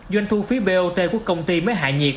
doanh thu phí bot của công ty mới hạ nhiệt